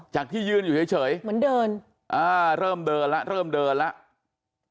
ที่ยืนอยู่เฉยเหมือนเดินอ่าเริ่มเดินแล้วเริ่มเดินแล้ว